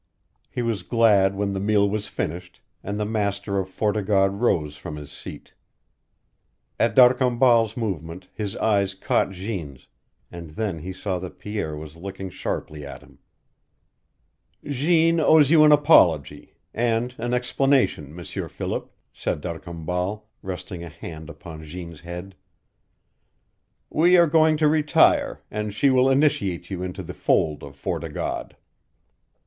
He was glad when the meal was finished, and the master of Fort o' God rose from his seat. At D'Arcambal's movement his eyes caught Jeanne's, and then he saw that Pierre was looking sharply at him. "Jeanne owes you an apology and an explanation, M'sieur Philip," said D'Arcambal, resting a hand upon Jeanne's head. "We are going to retire, and she will initiate you into the fold of Fort o' God."